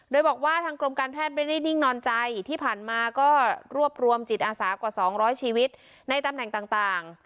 โดยบอกว่าทางกรมการแพทย์ไม่ได้นิ่งนอนใจที่ผ่านมาก็รวบรวมจิตอาสากว่า๒๐๐ชีวิตในตำแหน่งต่าง